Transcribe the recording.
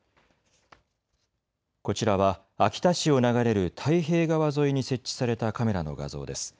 こちらは秋田市を流れる太平川沿いに設置されたカメラの画像です。